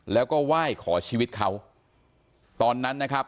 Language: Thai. แล้วก็ไหว้ขอชีวิตเขาตอนนั้นนะครับ